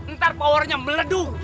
ntar powernya meledung